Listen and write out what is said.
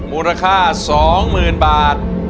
มูลค่าสองหมื่นบาท